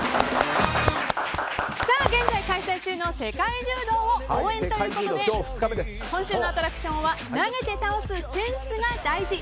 現在開催中の世界柔道を応援ということで今週のアトラクションは投げて倒すセンスが大事！